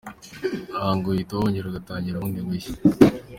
Aha ngo uhita wongera ugatangira bundi bushya.